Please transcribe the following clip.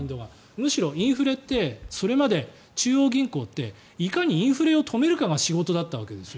むしろインフレって中央銀行っていかにインフレを止めるかが仕事だったわけです。